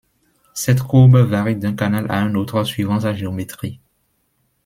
Cette courbe varie d’un canal à un autre suivant sa géométrie.